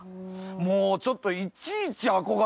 もうちょっと。